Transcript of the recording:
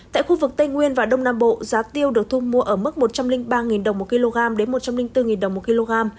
tại khu vực tây nguyên và đông nam bộ giá tiêu được thu mua ở mức một trăm linh ba đồng một kg đến một trăm linh bốn đồng một kg